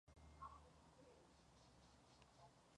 Esta especie lleva el nombre en honor a Pedro Miguel Ruíz-Carranza.